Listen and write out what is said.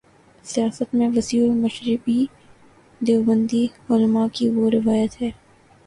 سیاست میں وسیع المشربی دیوبندی علما کی وہ روایت ہے۔